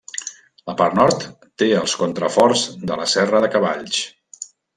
La part nord té els contraforts de la serra de Cavalls.